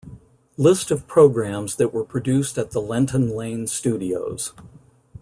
List of programmes that were produced at the Lenton Lane Studios.